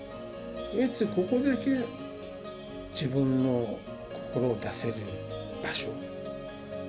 唯一、ここだけは、自分の心を出せる場所。